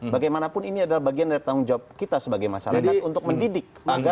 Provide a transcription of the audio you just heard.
bagaimanapun ini adalah bagian dari tanggung jawab kita sebagai masyarakat untuk mendidik